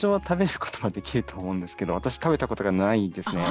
私食べたことがないですね。